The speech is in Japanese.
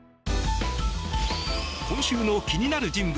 今週の気になる人物